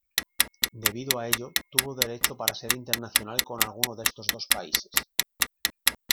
Debido a ello, tuvo derecho para ser internacional con alguno de estos dos países.